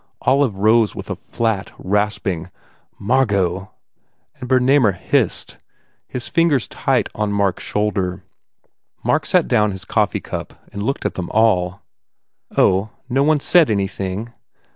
Olive rose with a flat, rasping "Margot" and Bernamer hissed, his fingers tight on Mark s shoulder. Mark set down his coffee cup and looked at them all. "Oh, no one s said anything?"